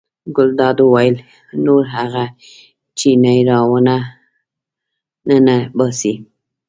ګلداد وویل نور هغه چینی را ونه ننباسئ.